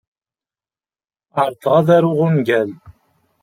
Ɛerḍeɣ ad aruɣ ungal.